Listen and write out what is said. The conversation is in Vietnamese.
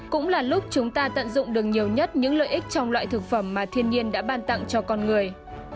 cũng là lúc chúng ta tận dụng được nhiều nhất những lợi ích trong loại thực phẩm mà thiên nhiên đã ban tặng cho con người